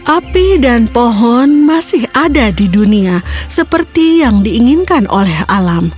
api dan pohon masih ada di dunia seperti yang diinginkan oleh alam